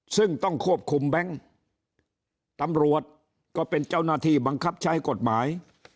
ซึ่งต้องควบคุมแบงค์ตำรวจก็เป็นเจ้าหน้าที่บังคับใช้กฎหมาย